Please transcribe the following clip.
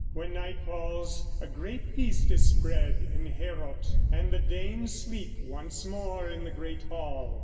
When night falls a great feast is spread in Heorot, and the Danes sleep once more in the great hall.